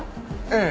ええ。